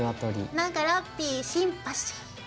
なんかラッピィシンパシー。